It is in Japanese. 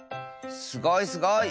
すごいすごい。